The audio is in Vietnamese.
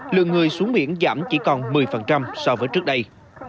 lượng người xuống biển giảm chỉ còn một mươi so với trước đây